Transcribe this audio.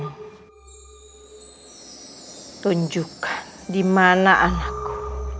hai tunjukkan dimana anakku